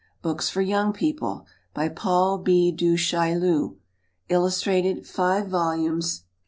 Books for Young People. By PAUL B. DU CHAILLU. Illustrated. 5 vols.